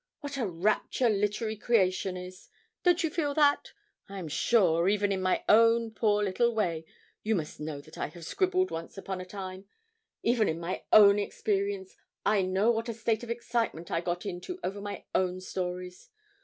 What a rapture literary creation is! Don't you feel that? I am sure, even in my own poor little way you must know that I have scribbled once upon a time even in my own experience, I know what a state of excitement I got into over my own stories.